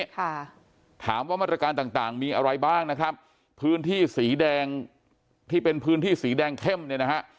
ค่ะถามว่ามาตรการต่างต่างมีอะไรบ้างนะครับพื้นที่สีแดงที่เป็นพื้นที่สีแดงเข้มเนี่ยนะฮะ